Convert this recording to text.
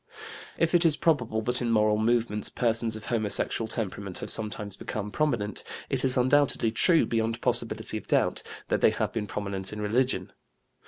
If it is probable that in moral movements persons of homosexual temperament have sometimes become prominent, it is undoubtedly true, beyond possibility of doubt, that they have been prominent in religion.